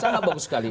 sangat bagus sekali